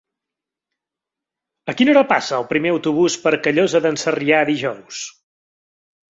A quina hora passa el primer autobús per Callosa d'en Sarrià dijous?